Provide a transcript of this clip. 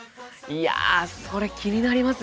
いやそれ気になりますよね。